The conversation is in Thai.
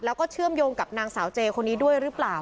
แล้วก็เชื่อมโยงกับนางสาวเจคนนี้ด้วยหรือเปล่า